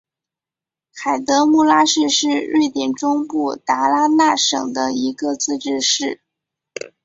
海德穆拉市是瑞典中部达拉纳省的一个自治市。